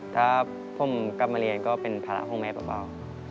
ถ้าผมกลับมาเรียนก็เป็นภาระของแม่เบา